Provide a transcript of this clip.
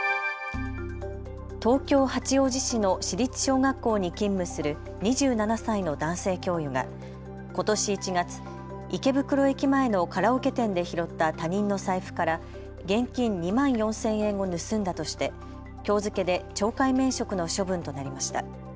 東京八王子市の市立小学校に勤務する２７歳の男性教諭がことし１月、池袋駅前のカラオケ店で拾った他人の財布から現金２万４０００円を盗んだとしてきょう付けで懲戒免職の処分となりました。